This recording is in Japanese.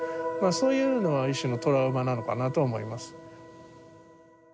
そういうのは一種のトラウマなのかなとは思いますね。